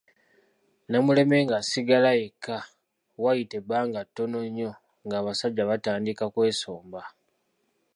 Namuleme ng’asigala yekka, waayita ebbanga ttono nnyo nga abasajja batandika kwesomba.